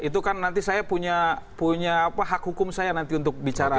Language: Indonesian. itu kan nanti saya punya hak hukum saya nanti untuk bicara